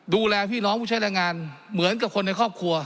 ดูแลพี่น้องผู้ใช้แรงงานเหมือนกับคนในครอบครัว